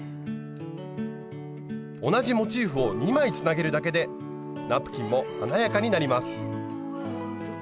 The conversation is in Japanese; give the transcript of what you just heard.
同じモチーフを２枚つなげるだけでナプキンも華やかになります。